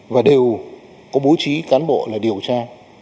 và đều có bố trí cán bộ là điều tra